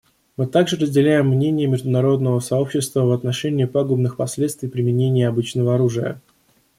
Мы также разделяем мнение международного сообщества в отношении пагубных последствий применения обычного оружия.